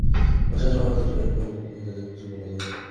বাসার সবার আদর পেয়ে পেয়ে এমন হয়েছে যে, কিছুই বলা যায় না।